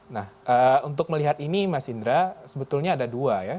nah untuk melihat ini mas indra sebetulnya ada dua ya